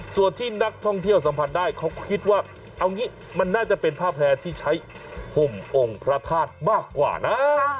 ส่วนที่นักท่องเที่ยวสัมผัสได้เขาคิดว่าเอางี้มันน่าจะเป็นผ้าแพร่ที่ใช้ห่มองค์พระธาตุมากกว่านะ